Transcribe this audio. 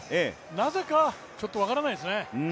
なぜかちょっと分からないですね。